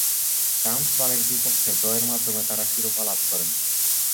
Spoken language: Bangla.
ট্রান্সভালের বিপক্ষে জয়ের মাধ্যমে তারা শিরোপা লাভ করে।